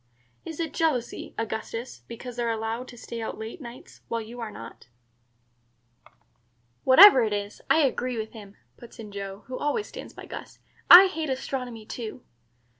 "Is it jealousy, Augustus, because they are allowed to stay out late nights, while you are not?" "Whatever it is, I agree with him," puts in Joe, who always stands by Gus. "I hate astronomy too."